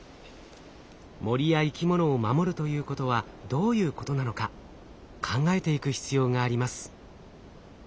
森や生き物を守るということはどういうことなのか考えていく必要があります。